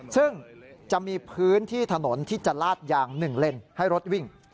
ซึ่งจะมีพื้นที่ถนนที่จะลาดยาง๑เลนให้รถวิ่ง